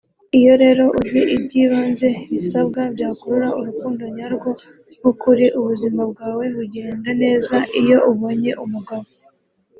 iyo rero uzi ibyibanze bisabwa byakurura urukundo nyarwo rw’ukuri ubuzima bwawe bugenda neza iyo ubonye umugabo